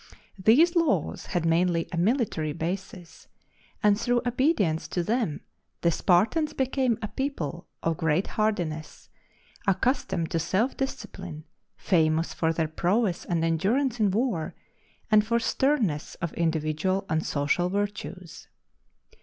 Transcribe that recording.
These laws had mainly a military basis, and through obedience to them the Spartans became a people of great hardiness, accustomed to self discipline, famous for their prowess and endurance in war, and for sternness of individual and social virtues.